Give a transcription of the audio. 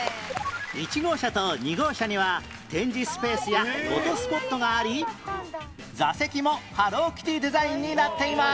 １号車と２号車には展示スペースやフォトスポットがあり座席もハローキティデザインになっています